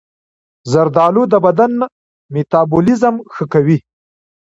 زردآلو د بدن میتابولیزم ښه کوي.